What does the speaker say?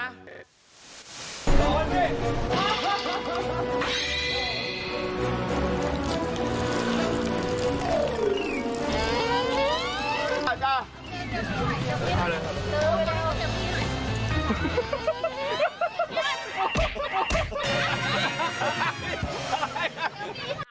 อะไรน่ะ